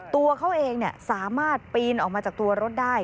ตัวเขาเองสามารถปีนออกมาจากตัวรถได้